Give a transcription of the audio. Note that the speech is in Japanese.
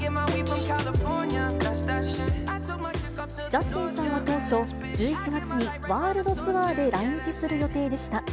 ジャスティンさんは当初、１１月にワールドツアーで来日する予定でした。